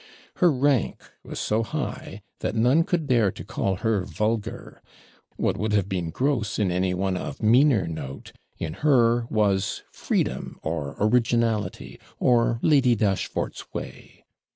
Her rank was so high that none could dare to call her vulgar; what would have been gross in any one of meaner note, in her was freedom, or originality, or Lady Dashfort's way.